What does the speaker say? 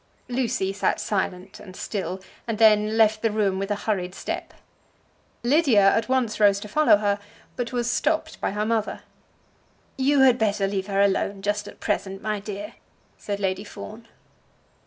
Lucy sat silent and still, and then left the room with a hurried step. Lydia at once rose to follow her, but was stopped by her mother. "You had better leave her alone just at present, my dear," said Lady Fawn.